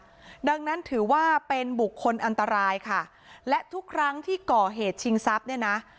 ดังนั้นถือว่าเป็นบุคคลอันตรายค่ะและทุกครั้งที่ก่อเหตุชิงทรัพย์เนี่ยนะ